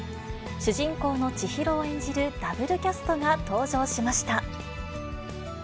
主人公の千尋を演じるダブルキャストが登場しました。